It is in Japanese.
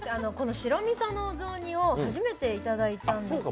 白みそのお雑煮を初めていただいたんですよ。